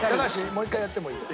もう１回やってもいいよ。